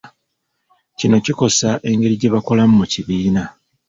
Kino kikosa engeri gye bakolamu mu kibiina.